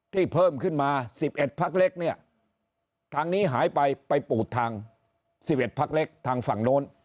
เพิ่มขึ้นมา๑๑พักเล็กเนี่ยทางนี้หายไปไปปูดทาง๑๑พักเล็กทางฝั่งโน้น